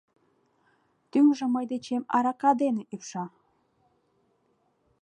Тӱҥжӧ мый дечем арака дене ӱпша.